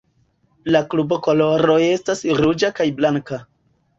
La klubo koloroj estas ruĝa kaj blanka.